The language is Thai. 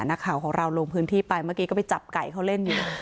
นักข่าวของเราลงพื้นที่ไปเมื่อกี้ก็ไปจับไก่เขาเล่นอยู่